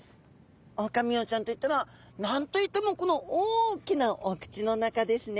オオカミウオちゃんといったら何と言ってもこの大きなお口の中ですね。